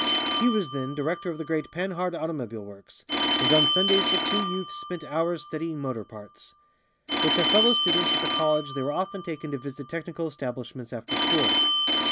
He was then director of the great Panhard automobile works, and on Sundays the two youths spent hours studying motor parts. With their fellow students at the college they were often taken to visit technical establishments after school.